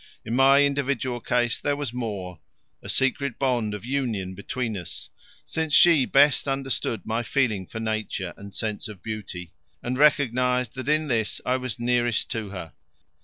In my individual case there was more, a secret bond of union between us, since she best understood my feeling for Nature and sense of beauty, and recognized that in this I was nearest to her.